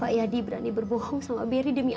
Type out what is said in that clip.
pak yadi berani berbohong sama berry demi